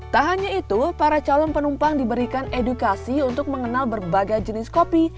tak hanya itu para calon penumpang diberikan edukasi untuk mengenal berbagai jenis kopi